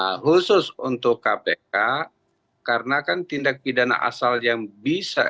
nah khusus untuk kpk karena kan tindak pidana asal yang bisa